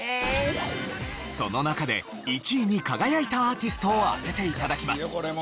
その中で１位に輝いたアーティストを当てて頂きます。